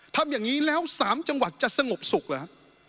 ทำอย่างนี้แล้ว๓จังหวัดจะสงบสุขเหรอฮะ